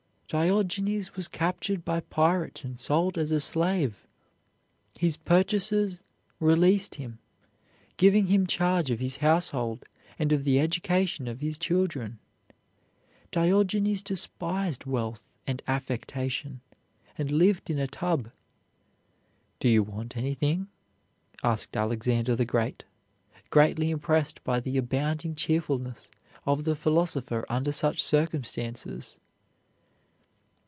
Diogenes was captured by pirates and sold as a slave. His purchaser released him, giving him charge of his household and of the education of his children. Diogenes despised wealth and affectation, and lived in a tub. "Do you want anything?" asked Alexander the Great, greatly impressed by the abounding cheerfulness of the philosopher under such circumstances.